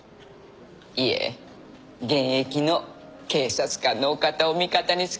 いえ現役の警察官のお方を味方につけてるやなんて。